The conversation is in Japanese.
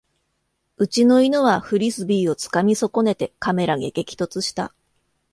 うちの犬はフリスビーをつかみ損ねてカメラに激突した